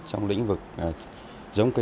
trong lĩnh vực